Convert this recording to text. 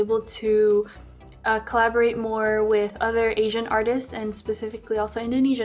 berkolaborasi lebih banyak dengan artis asian dan juga artis indonesia